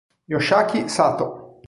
Yoshiaki Satō